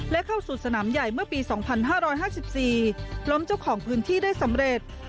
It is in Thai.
และเข้าสู่สนามใหญ่เมื่อปี๒๕๕๔ล้มเจ้าของพื้นที่ได้สำเร็จ